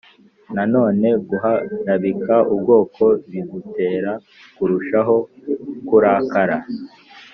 nanone guharabika ubwoko bibutera kurushaho kurakara